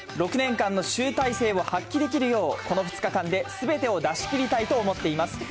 ６年間の集大成を発揮できるよう、この２日間ですべてを出し切りたいと思っています。